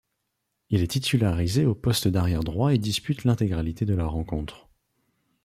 Il est titularisé au poste d'arrière-droit et dispute l'intégralité de la rencontre.